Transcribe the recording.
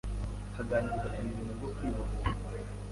haganirwa ku rugendo rwo Kwibohora